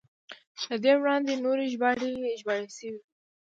له دې وړاندې نورې ژباړې شوې وې.